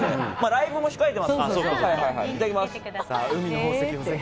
ライブも控えていますからね。